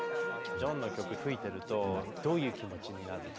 ジョンの曲吹いてるとどういう気持ちになるの？